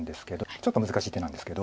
ちょっと難しい手なんですけど。